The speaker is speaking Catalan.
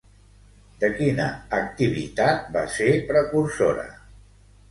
De quina activitat va ser precursora?